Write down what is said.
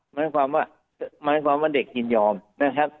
หมายความว่าเด็กยินยอมนะครับ